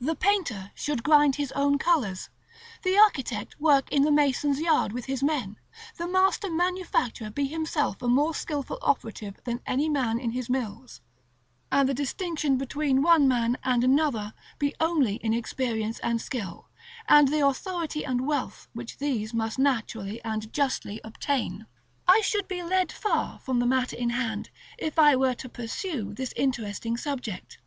The painter should grind his own colors; the architect work in the mason's yard with his men; the master manufacturer be himself a more skilful operative than any man in his mills; and the distinction between one man and another be only in experience and skill, and the authority and wealth which these must naturally and justly obtain. § XXII. I should be led far from the matter in hand, if I were to pursue this interesting subject.